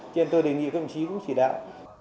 cho nên tôi đề nghị các ông chí cũng chỉ đạo